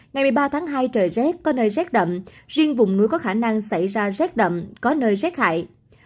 ngày một mươi ba tháng hai trời rét có nơi rét đậm riêng vùng núi có khả năng xảy ra rét đậm có nơi rét hại